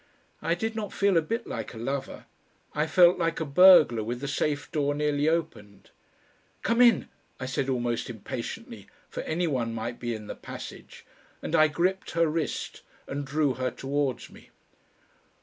I did not feel a bit like a lover, I felt like a burglar with the safe door nearly opened. "Come in," I said almost impatiently, for anyone might be in the passage, and I gripped her wrist and drew her towards me.